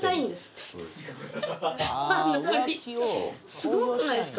すごくないですか？